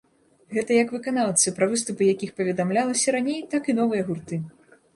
Гэта як выканаўцы, пра выступы якіх паведамлялася раней, так і новыя гурты.